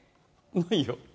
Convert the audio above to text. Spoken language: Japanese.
ないよ。